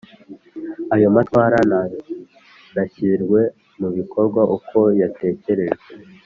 ayo matwara ntanashyirwe mu bikorwa uko yatekerejwe